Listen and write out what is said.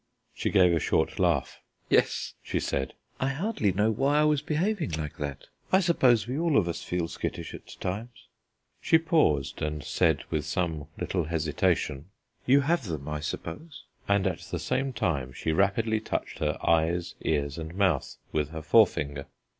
She gave a short laugh. "Yes," she said. "I hardly know why I was behaving like that. I suppose we all of us feel skittish at times." She paused and said with some little hesitation, "You have them, I suppose?" and at the same time she rapidly touched her ears, eyes and mouth with her forefinger.